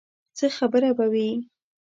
څه خبره به وي.